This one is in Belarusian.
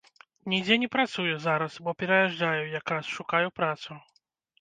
Нідзе не працую зараз, бо пераязджаю якраз, шукаю працу.